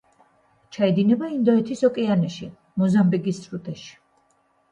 ჩაედინება ინდოეთის ოკეანეში, მოზამბიკის სრუტეში.